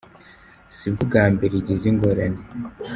Si bwo bwa mbere igize ingorane.